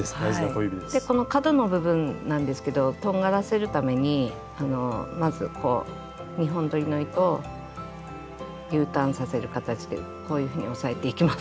でこの角の部分なんですけどとんがらせるためにまずこう２本どりの糸をＵターンさせる形でこういうふうに押さえていきます。